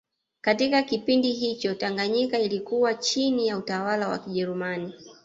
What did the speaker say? Katika kipindi hicho Tanganyika ilikuwa chini ya utawala wa Kijerumani